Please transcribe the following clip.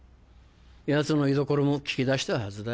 ヤツの居所も聞き出したはずだ。